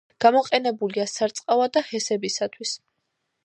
გამოყენებულია სარწყავად და ჰესებისათვის.